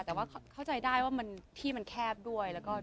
แต่ว่าเข้าใจได้ว่าที่มันแคบด้วยแล้วก็